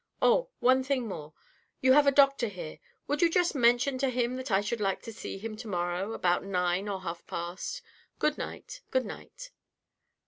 Oh! one thing more. You have a doctor here: would you just mention to him that I should like to see him to morrow about nine or half past? Good night, good night."